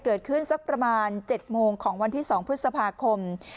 เกิดขึ้นสักประมาณ๗โมงของวันที่๒พฤษภาคม